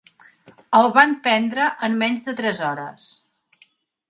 El van prendre en menys de tres hores.